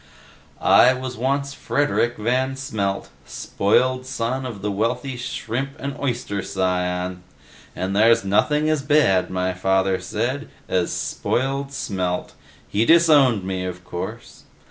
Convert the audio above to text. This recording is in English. "I once was Frederik Van Smelt, spoiled son of the wealthy shrimp and oyster scion. And there's nothing as bad, my father said, as spoiled Smelt. He disowned me, of course.